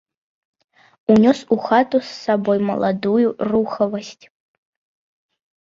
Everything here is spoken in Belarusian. Унёс у хату з сабой маладую рухавасць.